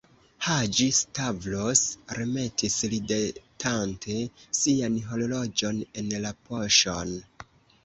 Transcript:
Haĝi-Stavros remetis ridetante sian horloĝon en la poŝon.